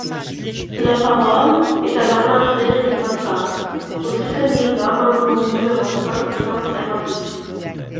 La parole est à Madame Frédérique Massat, pour soutenir l’amendement numéro cinq cent cinquante-huit.